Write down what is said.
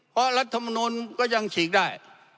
เพราะรัฐมนุนก็ยังฉีกได้